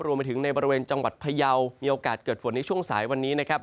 รวมไปถึงในบริเวณจังหวัดพยาวมีโอกาสเกิดฝนในช่วงสายวันนี้นะครับ